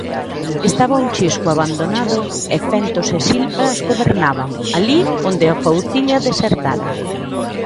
Estaba un chisco abandonado, e fentos e silvas gobernaban alí onde a fouciña desertara.